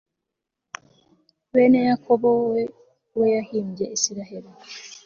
bene yakobo uwo yahimbye isirayeli